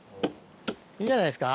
いいんじゃないですか。